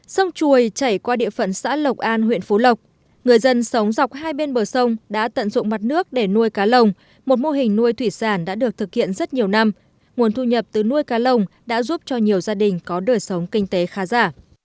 sông chuồi chảy qua địa phận xã lộc an huyện phú lộc người dân sống dọc hai bên bờ sông đã tận dụng mặt nước để nuôi cá lồng một mô hình nuôi thủy sản đã được thực hiện rất nhiều năm nguồn thu nhập từ nuôi cá lồng đã giúp cho nhiều gia đình có đời sống kinh tế khá giả